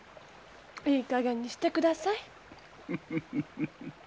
いいかげんにしてください。